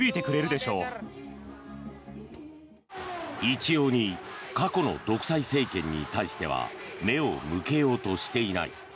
一様に過去の独裁政権に対しては目を向けようとしていない。